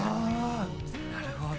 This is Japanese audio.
なるほど。